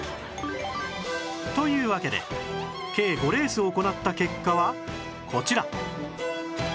というわけで計５レース行った結果はこちら